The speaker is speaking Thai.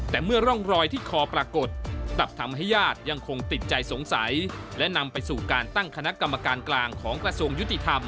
แต่เมื่อร่องรอยที่คอปรากฏ